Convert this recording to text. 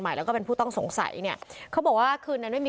แล้วก็เป็นผู้ต้องสงสัยเนี่ยเขาบอกว่าคืนนั้นไม่มี